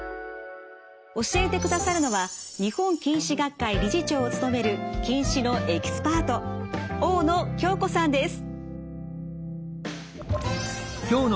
教えてくださるのは日本近視学会理事長を務める近視のエキスパート大野京子さんです。